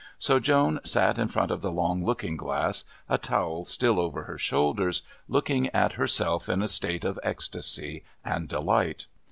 So Joan sat in front of the long looking glass, a towel still over her shoulders, looking at herself in a state of ecstasy and delight.